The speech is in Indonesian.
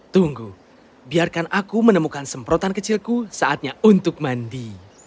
tunggu biarkan aku menemukan semprotan kecilku saatnya untuk mandi